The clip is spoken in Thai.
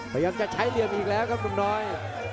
พยายามจะใช้เหลี่ยมอีกแล้วครับหนุ่มน้อย